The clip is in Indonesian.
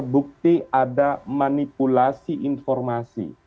jika ada manipulasi informasi